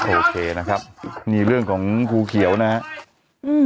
โอเคนะครับนี่เรื่องของภูเขียวนะครับ